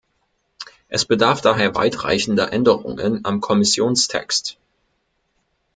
Es bedarf daher weitreichender Änderungen am Kommissionstext.